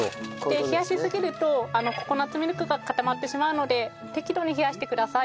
冷やしすぎるとココナッツミルクが固まってしまうので適度に冷やしてください。